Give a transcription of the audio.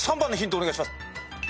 お願いします。